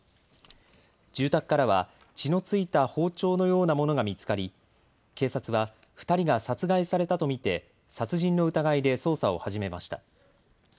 住宅からは血の付いた包丁のようなものが見つかり、警察は２人が殺害されたと見て殺人の疑いで捜査を始めました。